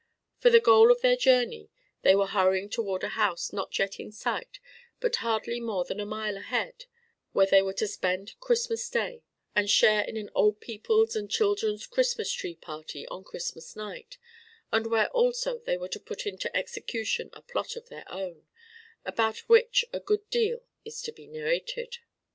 For the goal of their journey they were hurrying toward a house not yet in sight but hardly more than a mile ahead, where they were to spend Christmas Day and share in an old people's and children's Christmas Tree party on Christmas Night and where also they were to put into execution a plot of their own: about which a good deal is to be narrated.